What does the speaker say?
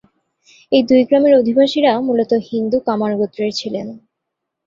এই দুই গ্রামের অধিবাসীরা মূলত হিন্দু কামার গোত্রের ছিলেন।